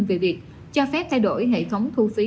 về việc cho phép thay đổi hệ thống thu phí